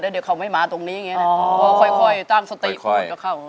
เดี๋ยวเขาไม่มาตรงนี้อย่างนี้พอค่อยตั้งสติก่อนก็เข้า